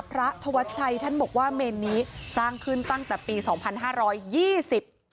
พระธวัชชัยท่านบอกว่าเมนนี้สร้างขึ้นตั้งแต่ปีสองพันห้าร้อยยี่สิบ